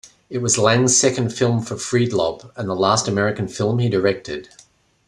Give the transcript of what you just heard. It was Lang's second film for Friedlob, and the last American film he directed.